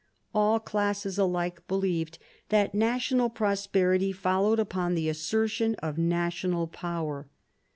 All classes alike believed that national prosperity followed upon the assertion of national power.